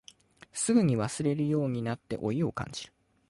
すぐに忘れるようになって老いを感じる